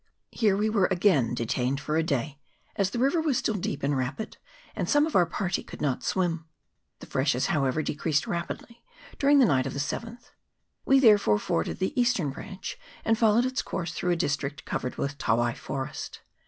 Here we were again detained for a day, as the river was still deep and rapid, and some of our party could not swim. The freshes, however, decreased rapidly during the night of the 7th ; we therefore forded the eastern branch, and followed its course through a district covered with tawai forest.